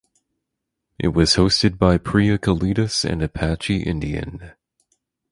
It was hosted by Preeya Kalidas and Apache Indian.